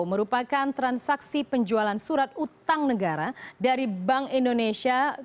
merupakan transaksi penjualan surat utang negara dari bank indonesia